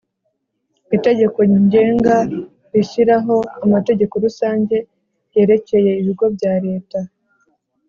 Itegeko Ngenga rishyiraho amategeko rusange yerekeye Ibigo bya Leta